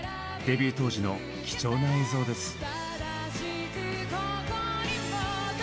デビュー当時の貴重な映像です。